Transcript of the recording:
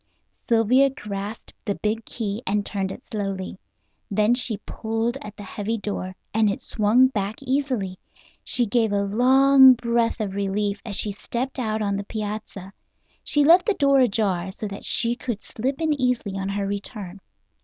Sylvia grasped the big key and turned it slowly. Then she pulled at the heavy door, and it swung back easily. She gave a long breath of relief as she stepped out on the piazza. She left the door ajar, so that she could slip in easily on her return.